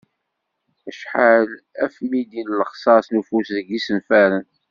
Acḥal afmiḍi n lexsas n ufus deg yisenfaren?